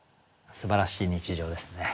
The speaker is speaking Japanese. すばらしい日常ですね。